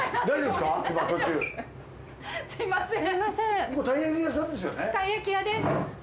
すみません。